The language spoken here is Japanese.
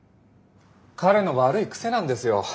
彼の悪い癖なんですよ。